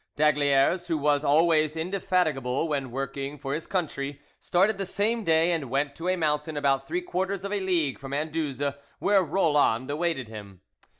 D'Aygaliers, who was always indefatigable when working for his country, started the same day, and went to a mountain about three quarters of a league from Anduze, where Roland awaited him.